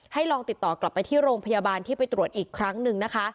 ลองติดต่อกลับไปที่โรงพยาบาลที่ไปตรวจอีกครั้งหนึ่งนะคะ